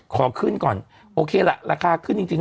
ขอขึ้นก่อนโอเคล่ะราคาขึ้นจริง